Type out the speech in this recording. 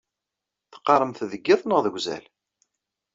Teqqaṛemt deg iḍ neɣ deg uzal?